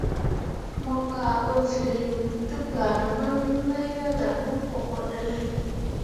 Mo kah bo vǝrǝǝ te gbana mawiin mai wel ah mo wobo ɗǝne ?